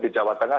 di jawa tengah